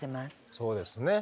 そうですね。